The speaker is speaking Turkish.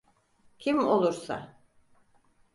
Kim olursa.